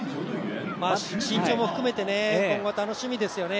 身長も含めて今後、楽しみですよね。